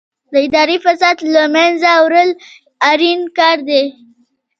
د اداري فساد له منځه وړل اړین کار دی.